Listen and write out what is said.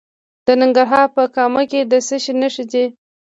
د ننګرهار په کامه کې د څه شي نښې دي؟